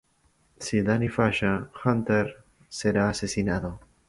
Si Danny falla, Hunter será asesinado.